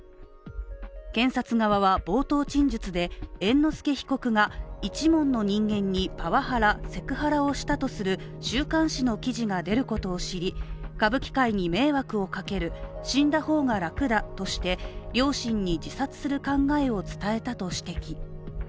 検察側は冒頭陳述で猿之助被告が一門の人間にパワハラ・セクハラをしたとする週刊誌の記事が出ることを知り歌舞伎界に迷惑をかける、死んだ方が楽だとして両親に自殺する考えを伝えたと指摘。